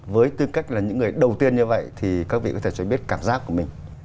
với tư cách là những người đầu tiên như vậy thì các vị có thể cho biết cảm giác của mình